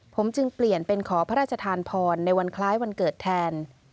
ผมจึงเปลี่ยนเป็นขอพระราชทานพรในวันคล้ายวันเกิดแทน